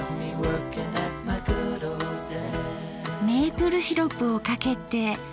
メープルシロップをかけて。